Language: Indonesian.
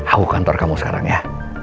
aku kantor kamu sekarang ya